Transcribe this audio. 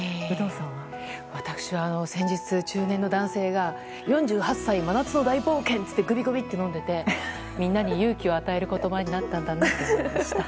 私は先日、中年の男性が４８歳、真夏の大冒険！といってぐびぐびって飲んでてみんなに勇気を与える言葉になったんだなと思いました。